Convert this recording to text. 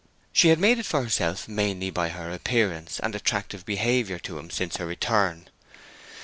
She had made it for herself mainly by her appearance and attractive behavior to him since her return.